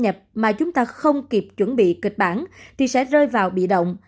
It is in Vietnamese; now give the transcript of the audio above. khi biến chủng này xâm nhập mà chúng ta không kịp chuẩn bị kịch bản thì sẽ rơi vào bị động